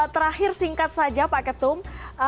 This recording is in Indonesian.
terakhir singkat saja pak ketum